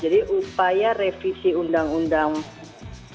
ya jadi upaya revisi undang undang perkawinan